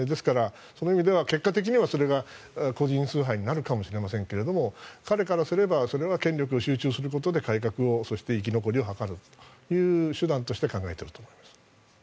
そういう意味では結果的に個人崇拝になるかもしれませんが彼からすれば権力集中してそして生き残りを図る手段として考えていると思います。